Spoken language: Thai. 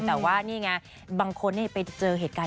แต่ว่านี่ไงบางคนไปเจอเหตุการณ์